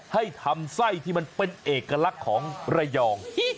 ให้ทำไส้ที่มันเป็นเอกลักษณ์ของระยอง